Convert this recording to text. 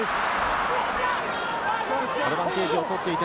アドバンテージを取っていった。